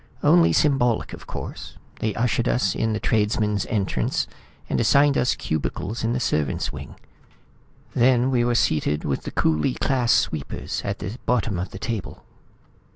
"Only symbolic, of course. They ushered us in the tradesman's entrance, and assigned us cubicles in the servants' wing. Then we were seated with the coolie class sweepers at the bottom of the table."